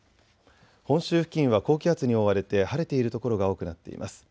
本州付近は高気圧に覆われて晴れている所が多くなっています。